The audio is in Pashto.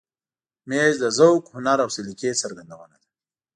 مېز د ذوق، هنر او سلیقې څرګندونه ده.